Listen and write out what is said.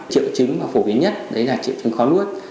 triệu chứng phổ biến nhất là triệu chứng khó nuốt